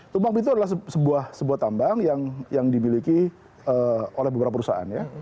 tumpang itu adalah sebuah tambang yang dimiliki oleh beberapa perusahaan ya